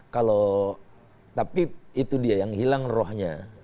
kalau tapi itu dia yang hilang rohnya